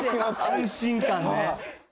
安心感ね。